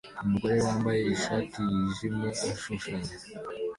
Umugore wambaye ishati yijimye ashushanya